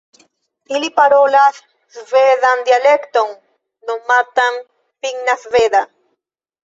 Ili parolas svedan dialekton nomatan "finnlanda sveda".